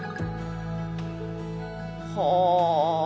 はあ！